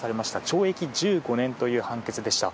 懲役１５年という判決でした。